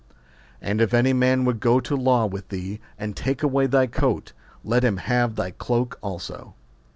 And if any man would go to law with thee, and take away thy coat, let him have thy cloke also.